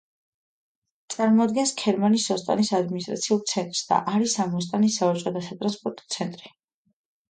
წარმოადგენს ქერმანის ოსტანის ადმინისტრაციულ ცენტრს და არის ამ ოსტანის სავაჭრო და სატრანსპორტო ცენტრი.